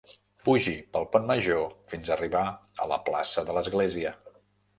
Pugi pel pont major fins a arribar a la plaça de l'església.